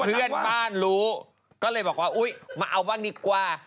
เพื่อนบ้านรู้ก็เลยบอกว่าอุ๊ยมาเอาบ้างดีกว่า